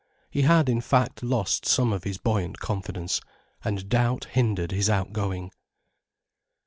He had, in fact, lost some of his buoyant confidence, and doubt hindered his outgoing.